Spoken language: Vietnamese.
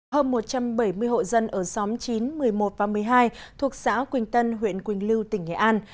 hơn một trăm bảy mươi hộ dân ở xóm chín một mươi một và một mươi hai thuộc xã quỳnh tân huyện quỳnh lưu tỉnh nghệ an